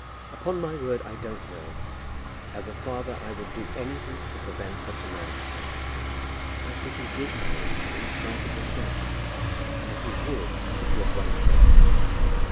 "Upon my word, I don't know. As a father I would do anything to prevent such a marriage as that." "But if he did marry her in spite of the threat? And he would if he had once said so."